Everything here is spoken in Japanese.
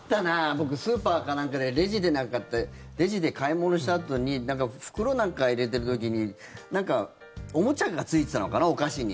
僕、スーパーかなんかでレジで買い物したあとに袋なんか入れてる時になんかおもちゃがついてたのかなお菓子に。